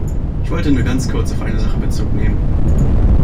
Ich wollte nur ganz kurz auf eine Sache Bezug nehmen.